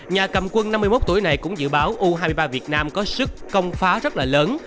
nhà cầm quân năm mươi một tuổi này cũng dự báo u hai mươi ba việt nam có sức công phá rất là lớn